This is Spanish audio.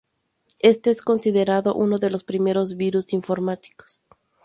Este es considerado uno de los primeros virus informáticos.